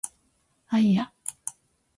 あいあ